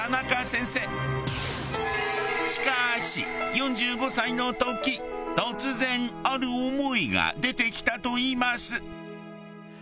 しかし４５歳の時突然ある思いが出てきたといいます。